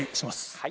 はい。